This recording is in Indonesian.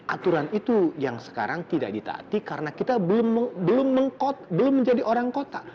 aturan itu yang sekarang tidak ditaati karena kita belum menjadi orang kota